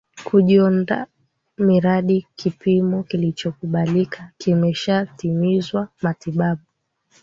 kujionda Mradi kipimo kinachokubalika kimeshatimizwa matibabu